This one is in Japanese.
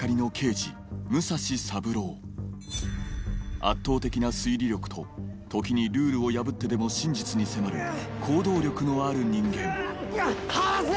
圧倒的な推理力と時にルールを破ってでも真実に迫る行動力のある人間離せ！